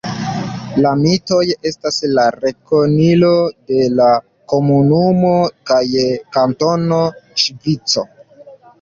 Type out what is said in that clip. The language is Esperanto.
La Mitoj estas la rekonilo de la komunumo kaj kantono Ŝvico.